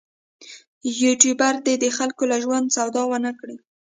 یوټوبر دې د خلکو له ژوند سودا ونه کړي.